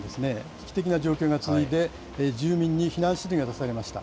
危機的な状況が続いて、住民に避難指示が出されました。